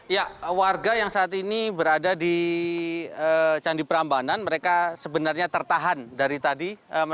ya warga yang saat ini berada di candi prambanan mereka sebenarnya tertahan dari tadi